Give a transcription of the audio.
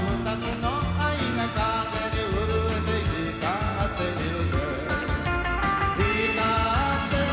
「光ってる」